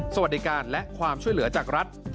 สวัสดีการและความช่วยเหลือจากรัฐ